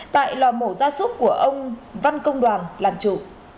tại lò mổ gia súc của ông văn công đoàn làm chủ